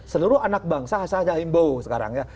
seluruh anak bangsa saya saja imbau sekarang ya